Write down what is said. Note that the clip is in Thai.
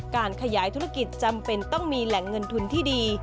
การขยายธุรกิจจำเป็นต้องมีแหล่งเงินทุนที่ดี